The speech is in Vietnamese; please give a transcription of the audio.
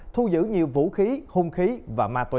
thu giữ nhiều vũ khí hung khí và ma túy